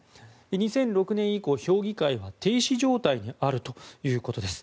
２００６年以降、評議会は停止状態にあるということです。